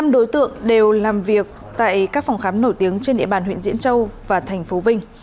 năm đối tượng đều làm việc tại các phòng khám nổi tiếng trên địa bàn huyện diễn châu và thành phố vinh